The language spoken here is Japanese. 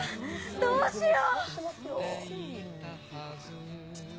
どうしよう。